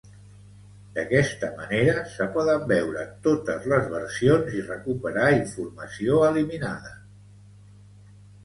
D'aquesta manera se poden veure totes les versions i recuperar informació eliminada